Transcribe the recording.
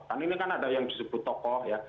kan ini kan ada yang disebut tokoh ya